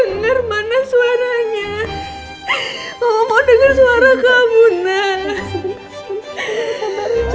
ngedin lagi yang kuat